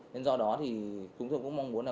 nên do đó chúng tôi cũng mong muốn